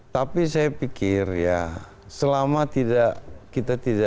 tapi saya pikir ya selama kita tidak punya swasta